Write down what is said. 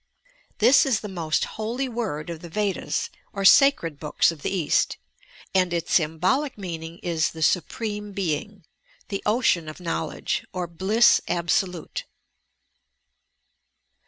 This is the most holy word of the Vedas or sacred books of the East, and its symbolic meaning is "The Supreme Being," "The Ocean of Knowledge" or "Bliss Absolute."